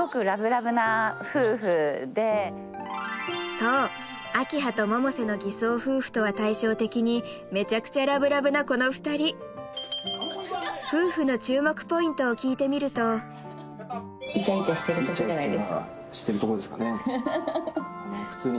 そう明葉と百瀬の偽装夫婦とは対照的にめちゃくちゃラブラブなこの２人夫婦の注目ポイントを聞いてみるとイチャイチャしてるところですかね